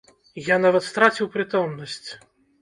Я нават страціў прытомнасць.